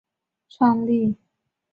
基督教福音宣教会创立。